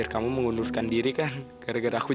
tante dari gerung aku